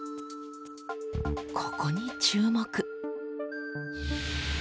ここに注目。